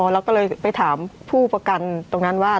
เราก็เลยไปถามผู้ประกันตรงนั้นว่า